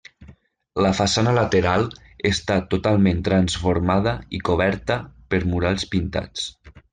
La façana lateral està totalment transformada i coberta per murals pintats.